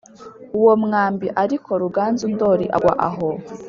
uwo mwambi, ariko ruganzu ndori agwa aho.